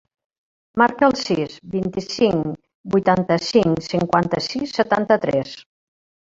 Marca el sis, vint-i-cinc, vuitanta-cinc, cinquanta-sis, setanta-tres.